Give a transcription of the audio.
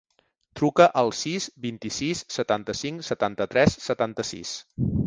Truca al sis, vint-i-sis, setanta-cinc, setanta-tres, setanta-sis.